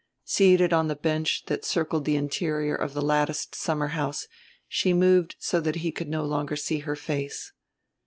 Seated on the bench that circled the interior of the latticed summerhouse she moved so that he could no longer see her face.